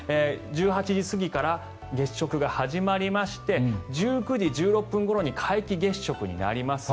１８時過ぎから月食が始まりまして１９時１６分ごろに皆既月食になります。